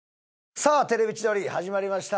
さあ『テレビ千鳥』始まりました。